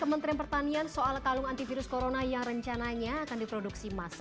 putri demas egy agung jakarta